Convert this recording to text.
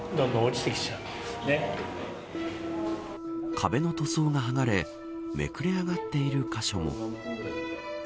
壁の塗装が剥がれめくれ上がっている箇所も。